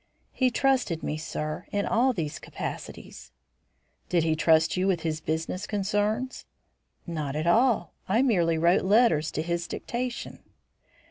"He trusted me, sir, in all these capacities." "Did he trust you with his business concerns?" "Not at all. I merely wrote letters to his dictation."